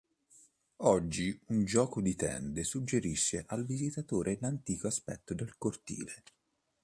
Oggi un gioco di tende suggerisce al visitatore l'antico aspetto del cortile.